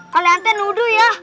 kalian tuh nuduh ya